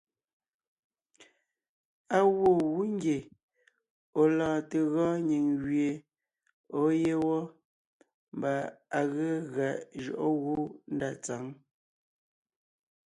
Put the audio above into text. Á gwoon gú ngie ɔ̀ lɔɔn te gɔɔn nyìŋ gẅie ɔ̀ɔ yé wɔ́ mbà à ge gʉa jʉɔʼɔ gú ndá tsǎŋ.